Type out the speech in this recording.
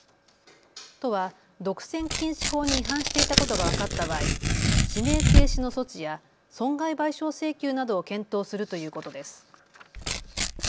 都は独占禁止法に違反していたことが分かった場合、指名停止の措置や損害賠償請求などを検討するということです。